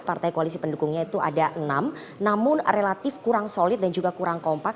partai koalisi pendukungnya itu ada enam namun relatif kurang solid dan juga kurang kompak